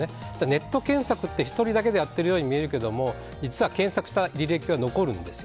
ネット検索って１人だけでやっているように見えるけれども実は検索した履歴は残るんです。